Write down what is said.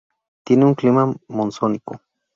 Tiene un clima monzónico.